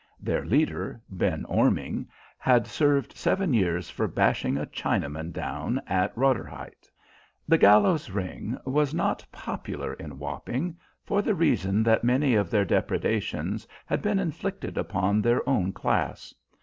Their leader, Ben Orming, had served seven years for bashing a Chinaman down at Rotherhithe. "The Gallows Ring" was not popular in Wapping, for the reason that many of their depredations had been inflicted upon their own class.